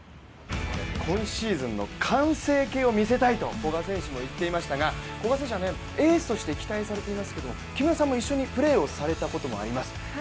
今シーズンの完成形を見せたいと古賀選手も言っていましたが古賀選手はエースとして期待されていますけれども、木村さんも一緒にプレーをされたこともあります。